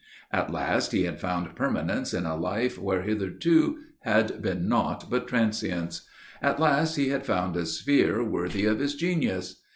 At last he had found permanence in a life where heretofore had been naught but transience. At last he had found a sphere worthy of his genius.